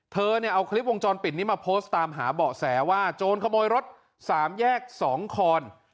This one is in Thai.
เธอเนี่ยเอาคลิปวงจรปิดนี้มาโพสต์ตามหาเบาะแสว่าโจรขโมยรถสามแยก๒คอน